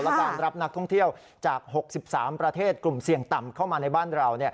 และการรับนักท่องเที่ยวจาก๖๓ประเทศกลุ่มเสี่ยงต่ำเข้ามาในบ้านเรา